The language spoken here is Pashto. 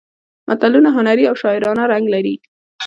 متلونه هنري او شاعرانه رنګ لري